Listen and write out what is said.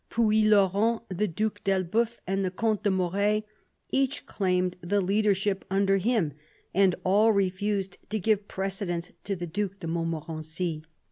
Puylaurens, the Due d'Elbeuf, and the Comte de Moret, each claimed the leadership under him, and all refused to give precedence to the Due de Montmorency.